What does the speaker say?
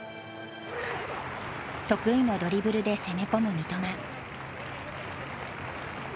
得意のドリブルで攻め込む三笘。